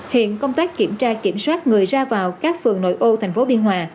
hiện công tác kiểm tra kiểm soát người ra vào các phường nội ô thành phố biên hòa